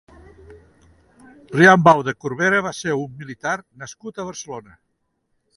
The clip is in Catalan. Riambau de Corbera va ser un militar nascut a Barcelona.